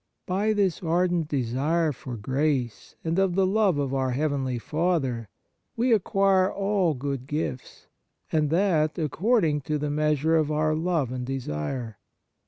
By this ardent desire for grace, and of the love of our heavenly Father, we acquire all good gifts, and that according to the measure of our love and desire.